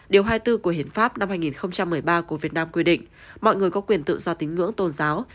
điều hai mươi bốn của hiến pháp năm hai nghìn một mươi ba của việt nam quy định mọi người có quyền tự do tín ngưỡng tôn giáo